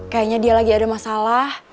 kayaknya dia lagi ada masalah